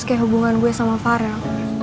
kayak hubungan gue sama farel